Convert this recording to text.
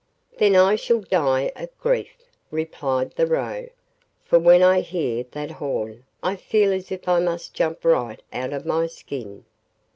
'Then I shall die of grief,' replied the Roe, 'for when I hear that horn I feel as if I must jump right out of my skin.